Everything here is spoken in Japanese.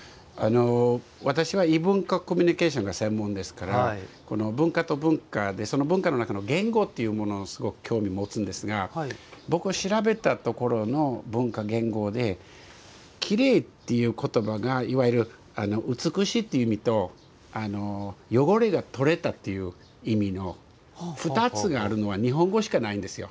私は異文化コミュニケーションが専門ですから文化と文化でその文化の中の言語というものにすごく興味を持つんですが僕は調べたところの文化言語できれいっていう言葉がいわゆる美しいという意味と汚れが取れたっていう意味の２つがあるのは日本語しかないんですよ。